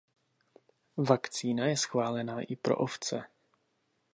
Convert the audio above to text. Vakcína je schválená i pro ovce.